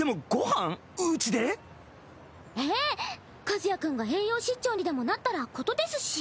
和也君が栄養失調にでもなったら事ですし。